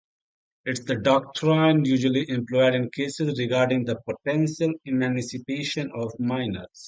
It is the doctrine usually employed in cases regarding the potential emancipation of minors.